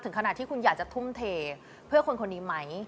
ขณะที่คุณอยากจะทุ่มเทเพื่อคนคนนี้ไหม